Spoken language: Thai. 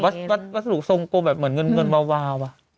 เป็นแบบวัสดุทรงกลแบบเหมือนเงินเวาวาว